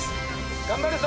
頑張るぞ！